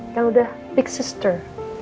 kan udah big sister